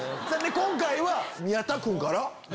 今回は宮田君から？